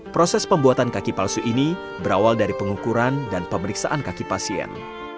proses pembuatan kaki palsu ini berawal dari pengukuran dan pemeriksaan kaki pasien